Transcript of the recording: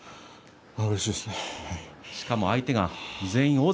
うれしいですね。